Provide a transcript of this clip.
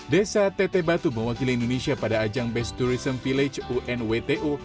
desa teteh batu mewakili indonesia pada ajang best tourism village unwto